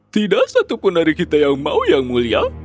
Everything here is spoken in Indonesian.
tidak satupun dari kita yang mau yang mulia